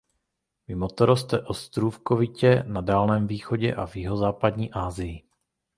Mimo to roste ostrůvkovitě na Dálném východě a v jihozápadní Asii.